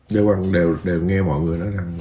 lê quang đều nghe mọi người nói rằng